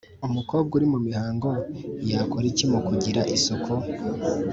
Umukobwa uri mu mihango yakora iki mu kugira isuku?